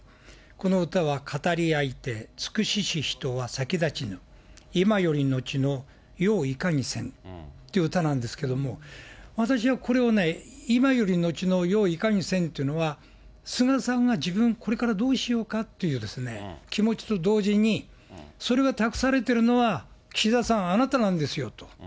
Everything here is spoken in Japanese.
この歌は、語り合いて尽くしし人は先立ちぬ今より後の世をいかにせむっていう歌なんですけれども、私はこれを、今より後の世をいかにせむっていうのは、菅さんが、自分、これからどうしようかっていう気持ちと同時にそれが託されてるのは、岸田さんあなたなんですよと。